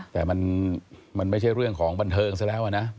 แต่มันไม่ใช่เรื่องของบันเทิงซะแล้วนะ